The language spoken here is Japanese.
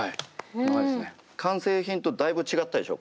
完成品とだいぶ違ったでしょ